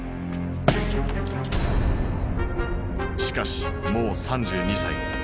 しかしもう３２歳。